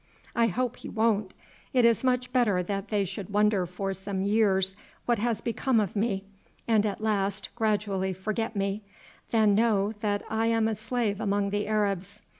I hope he won't; it is much better that they should wonder for some years what has become of me, and at last gradually forget me, than know that I am a slave among the Arabs.